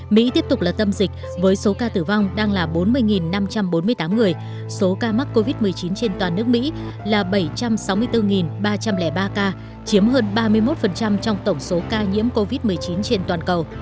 mỹ tiếp tục là tâm dịch với số ca tử vong đang là bốn mươi năm trăm bốn mươi tám người số ca mắc covid một mươi chín trên toàn nước mỹ là bảy trăm sáu mươi bốn ba trăm linh ba ca chiếm hơn ba mươi một trong tổng số ca nhiễm covid một mươi chín trên toàn cầu